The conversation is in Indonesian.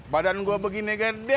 makanya praktek tadi